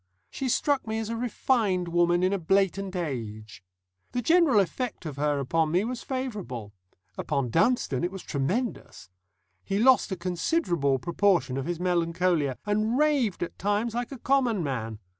She struck me as a refined woman in a blatant age. The general effect of her upon me was favourable; upon Dunstone it was tremendous. He lost a considerable proportion of his melancholia, and raved at times like a common man.